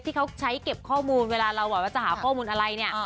ที่เขาใช้เก็บข้อมูลเวลาเราแบบว่าจะหาข้อมูลอะไรเนี่ย